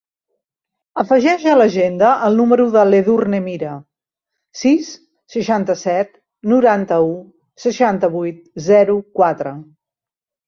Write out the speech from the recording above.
Afegeix a l'agenda el número de l'Edurne Mira: sis, seixanta-set, noranta-u, seixanta-vuit, zero, quatre.